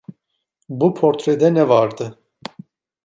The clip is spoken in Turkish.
Bu portrede ne vardı?..